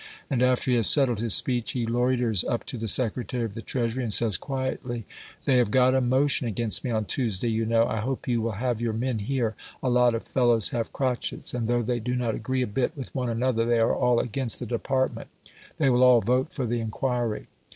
And after he has settled his speech he loiters up to the Secretary of the Treasury, and says quietly, "They have got a motion against me on Tuesday, you know. I hope you will have your men here. A lot of fellows have crotchets, and though they do not agree a bit with one another, they are all against the department; they will all vote for the inquiry."